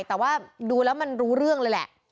แต่ว่าดูแล้วมันรู้เรื่องเลยแหละ